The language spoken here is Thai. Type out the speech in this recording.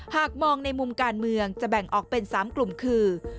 หากมองในมุมการเมืองจะแบ่งออกเป็น๓กลุ่มคือ